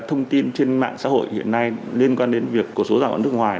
các thông tin trên mạng xã hội hiện nay liên quan đến việc của số tài khoản nước ngoài